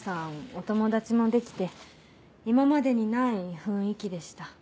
お友達もできて今までにない雰囲気でした。